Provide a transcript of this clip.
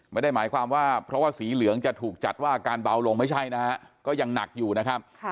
ไม่ได้หมายความว่าเพราะว่าสีเหลืองจะถูกจัดว่าอาการเบาลงไม่ใช่นะฮะก็ยังหนักอยู่นะครับ